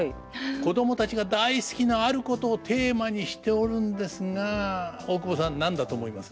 子供たちが大好きなあることをテーマにしておるんですが大久保さん何だと思います？